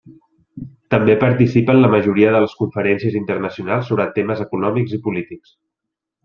També participa en la majoria de les conferències internacionals sobre temes econòmics i polítics.